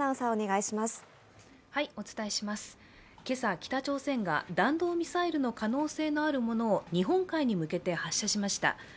今朝北朝鮮が弾道ミサイルの可能性のあるものを日本海に向けて発射しました。